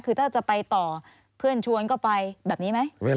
คือถ้าจะไปต่อเพื่อนชวนก็ไปแบบนี้ไหม